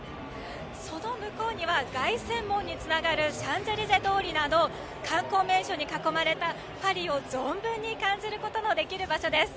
その向こうには凱旋門につながるシャンゼリゼ通りなど観光名所に囲まれたパリを存分に感じることができる場所です。